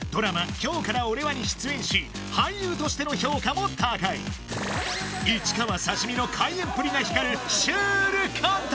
「今日から俺は！！」に出演し俳優としての評価も高い市川刺身の怪演っぷりが光るシュールコント